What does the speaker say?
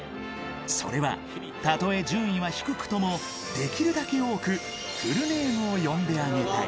それは、たとえ順位は低くとも、できるだけ多く、フルネームを呼んであげたい。